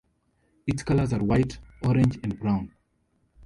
Its colors are white, orange, and brown.